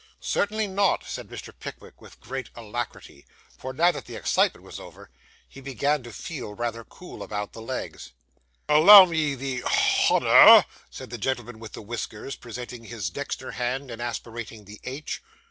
'Certainly not,' said Mr. Pickwick, with great alacrity; for, now that the excitement was over, he began to feel rather cool about the legs. 'Allow me the H onour,' said the gentleman with the whiskers, presenting his dexter hand, and aspirating the h.